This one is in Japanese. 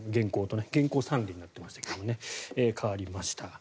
原稿は３厘になってましたけど変わりました。